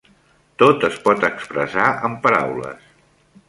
Tot es pot expressar amb paraules.